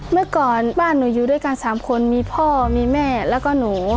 เมื่อก่อนบ้านหนูอยู่ด้วยกัน๓คนมีพ่อมีแม่แล้วก็หนู